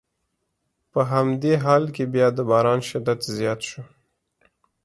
په همدې حال کې بیا د باران شدت زیات شو.